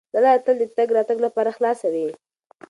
دا لاره تل د تګ راتګ لپاره خلاصه وي.